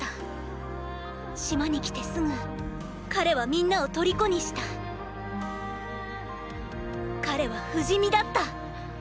島に来てすぐ彼は皆を虜にした彼は不死身だった。